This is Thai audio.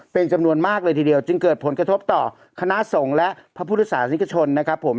เป็นจำนวนมากเลยทีเดียวจึงเกิดผลกระทบต่อคณะสงฆ์และพระพุทธศาสนิกชนนะครับผม